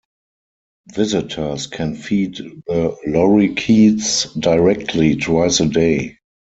Visitors can feed the lorikeets directly twice a day.